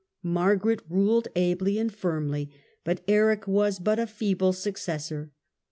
Margaret ruled ably and firmly, but Eric was but a feeble successor.